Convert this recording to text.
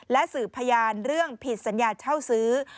และสืบพยานเรื่องผิดสัญญาเช่าซื้อ